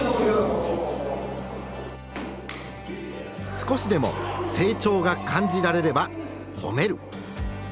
少しでも成長が感じられれば褒める。